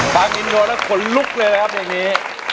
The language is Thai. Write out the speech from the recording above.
ฟังอินโทรแล้วขนลุกเลยครับเพลงนี้